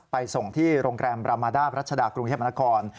ไปส่งที่โรงแกรมรามดารัชดากรุงเทพมนตร์กร